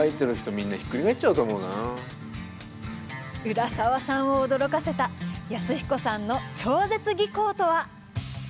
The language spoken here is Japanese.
浦沢さんを驚かせた安彦さんの超絶技巧とは？